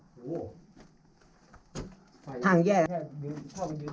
เปิดอยู่